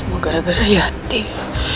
semoga gara gara yatim